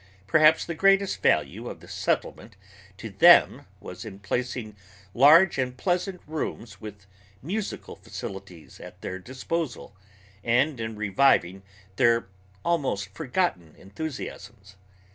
Perhaps the greatest value of the Settlement to them was in placing large and pleasant rooms with musical facilities at their disposal, and in reviving their almost forgotten enthusiams.